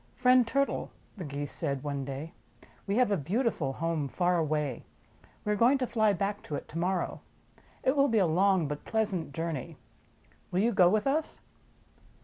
"Friend Turtle," the Geese said one day, "we have a beautiful home far away. We are going to fly back to it to morrow It will be a long but pleasant jour ney. Will you go with us?"